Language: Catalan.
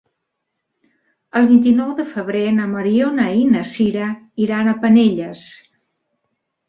El vint-i-nou de febrer na Mariona i na Sira iran a Penelles.